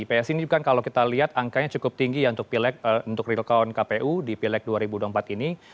psi ini kan kalau kita lihat angkanya cukup tinggi ya untuk pilek untuk real count kpu di pileg dua ribu dua puluh empat ini